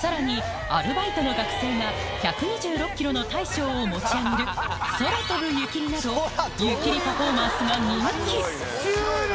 さらにアルバイトの学生が１２６ｋｇの大将を持ち上げるなど湯切りパフォーマンスが人気シュール！